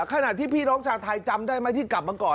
ขณะที่พี่น้องชาวไทยจำได้ไหมที่กลับมาก่อน